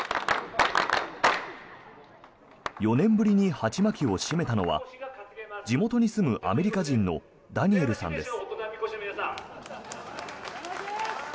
４年ぶりに鉢巻きを締めたのは地元に住むアメリカ人のダニエルさんです。